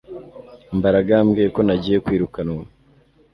Mbaraga yambwiye ko ntagiye kwirukanwa